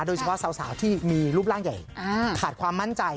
โดยเฉพาะสาวที่มีรูปร่างใหญ่ขาดความมั่นใจ